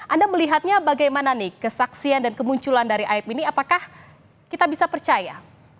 anda melihatnya bagaimana nih kesaksian dan kemunculan dari aib ini apakah kita bisa percaya